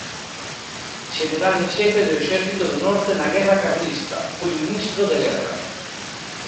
Xeneral en xefe do Exército do Norte na Guerra Carlista, foi ministro de Guerra.